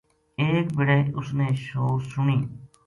ایک بِڑے اس نے شور سنی